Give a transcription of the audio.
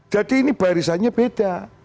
jadi ini barisannya beda